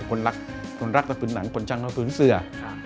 คนรักจะคืนหนังคนชังจะคืนเสื้อ